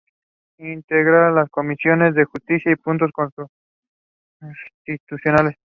Fee was born in Costa Rica.